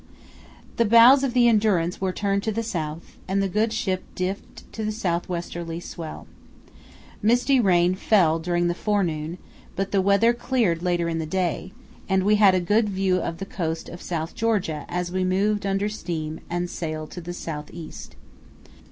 The bows of the Endurance were turned to the south, and the good ship dipped to the south westerly swell. Misty rain fell during the forenoon, but the weather cleared later in the day, and we had a good view of the coast of South Georgia as we moved under steam and sail to the south east.